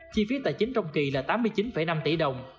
chi phí tài chính trong kỳ là tám mươi chín năm tỷ đồng